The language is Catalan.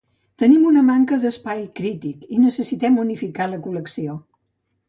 Tenim una manca d'espai crític i necessitem unificar la col·lecció